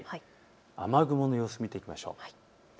雨雲の様子を見ていきましょう。